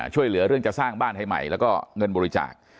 ช่วยเหลือเรื่องจะสร้างบ้านให้ใหม่แล้วก็เงินบริจาค